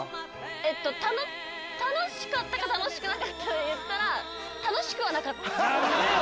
えっと楽楽しかったか楽しくなかったで言ったら楽しくはなかった何でよ！？